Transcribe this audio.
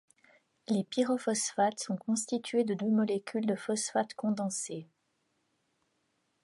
Les pyrophosphates sont constitués de deux molécules de phosphate condensées.